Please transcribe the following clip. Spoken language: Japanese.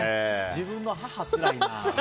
自分の母はつらいな。